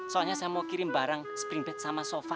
soalnya saya mau kirim barang sprint bed sama sofa